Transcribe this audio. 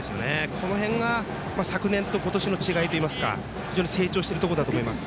この辺が昨年と今年の違いといいますか成長しているところだと思います。